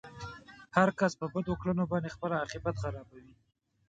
هر کس په بدو کړنو باندې خپل عاقبت خرابوي.